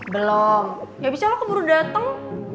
belom gak bisa lo keburu dateng